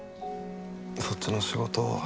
そっちの仕事